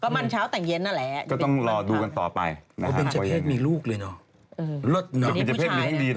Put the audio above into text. มันวิ่งเล่นกับลูกได้